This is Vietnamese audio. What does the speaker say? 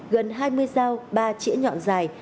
gần hai mươi dao ba chĩa nhọn dài